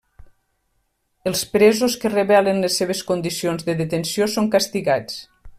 Els presos que revelen les seves condicions de detenció són castigats.